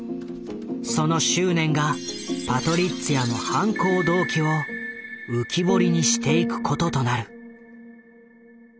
その執念がパトリッツィアの犯行動機を浮き彫りにしていくこととなる。